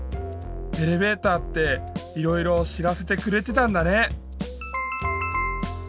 エレベーターっていろいろ知らせてくれてたんだね！